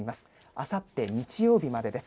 あさって、日曜日までです。